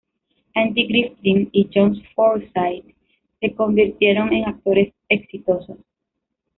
Andy Griffith y John Forsythe se convirtieron en actores exitosos.